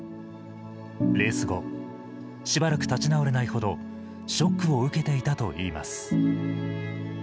レース後、しばらく立ち直れないほどショックを受けていたといいます。